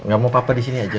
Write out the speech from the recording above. gak mau papa disini aja